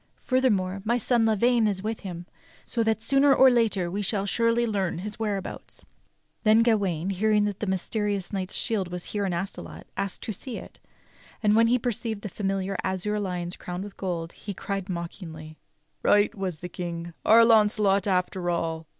Furthermore, my son Lavaine is with him, so that sooner or later we shall surely learn his where abouts." Then Gawain, hearing that the mysterious knight's shield was here at Astolat, asked to see it; and when he perceived the familiar azure lions crowned with gold, he cried mockingly: 88 THE STORY OF KING ARTHUR "Right was the King! Our Launcelot after all!"